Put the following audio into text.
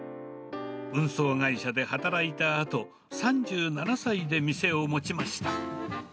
運送会社で働いたあと、３７歳で店を持ちました。